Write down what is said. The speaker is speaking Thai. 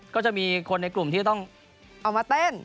ก็จะมีในกลุ่มออกมาเต้น